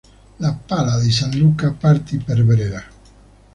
La pala di San Luca partì per Brera.